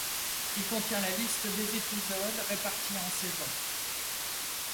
Il contient la liste des épisodes, réparti en saisons.